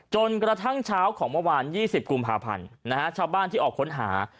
จนกระทั่งเช้าของเมื่อวาน๒๐กุมภาพันธ์ชาวบ้านที่ออกค้นหา